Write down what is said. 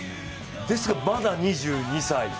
ですが、まだ２２歳。